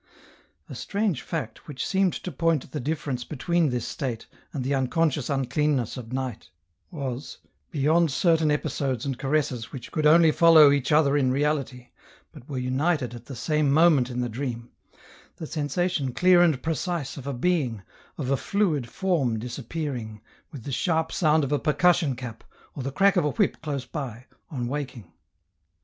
A strange fact, which seemed to point the difference between this state, and the unconscious uncleanness of night, was, beyond certain episodes and caresses which could only follow each other in reality, but were united at the same moment in the dream, the sensation clear and precise of a being, of a fluid form disappearing, with the sharp sound of a percussion cap, or the crack of a whip close by, on waking.